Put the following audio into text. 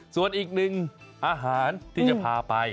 ส่วนอีกหนึ่งอาหารที่จะพาไป